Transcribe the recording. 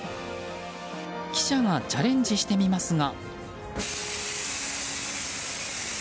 記者がチャレンジしてみますが。